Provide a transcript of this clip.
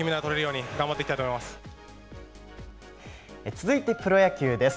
続いてプロ野球です。